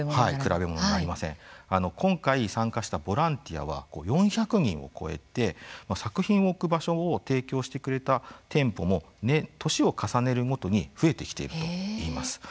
今回、参加したボランティアは４００人を超えて作品を置く場所を提供してくれた店舗も年を重ねるごとに増えてきているといいます。